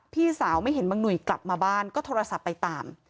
พี่สาวไม่เห็นบังหนุ่ยกลับมาบ้านก็โทรศัพท์ไปตาม